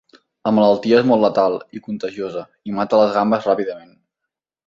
La malaltia és molt letal i contagiosa, i mata les gambes ràpidament.